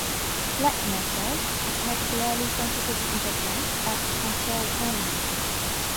Blackmer cells are particularly sensitive to interference at control terminals.